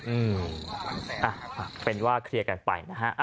อืมอ่ะเป็นว่าเคลียร์กันไปนะฮะ